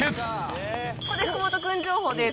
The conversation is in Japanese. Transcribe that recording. ここで福本君情報です。